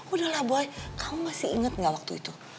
udahlah boy kamu masih ingat gak waktu itu